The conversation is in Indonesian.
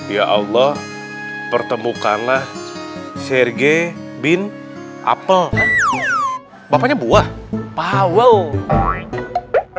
ya allah pertemukanlah sergei bin apple bapaknya buah pawel pawel namanya lucu ya dengan ibu kandungnya